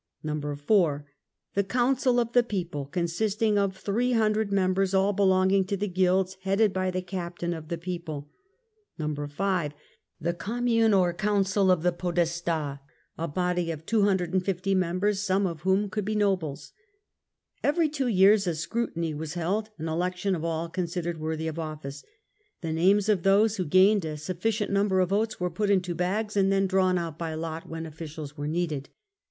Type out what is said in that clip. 4. The Council of the People, consisting of 300 members all belonging to the Guilds, headed by the Captain of the People. 5. The Commune or Council of the Podestd, a body of 250 members, some of whom could be nobles. Every two years a Scrutiny was held, an election of all considered worthy of office. The names of those who gained a sufficient number of votes were put into bags, and then drawn out by lot when officials were needed.